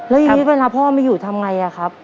แล้วอย่างนี้เวลาพ่อไม่อยู่ทำไงอะครับ